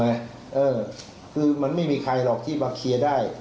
เออคือมันไม่มีใครหรอกที่มาเคลียร์ได้